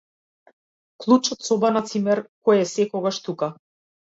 Клуч од соба на цимер кој е секогаш тука.